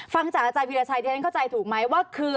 ฟังจากอาจารย์วิราชัยที่ฉันเข้าใจถูกไหมว่าคือ